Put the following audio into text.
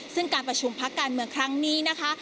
ซึ่งการประชุมพักการเมืองครั้งนี้นะคะ